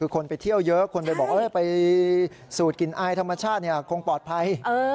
คนไปเที่ยวเยอะคนบอกไปกินสูตรไอต์ธรรมชาติคงปลอดภัย